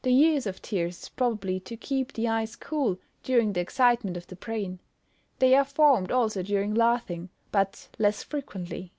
The use of tears is probably to keep the eyes cool during the excitement of the brain. They are formed also during laughing, but less frequently.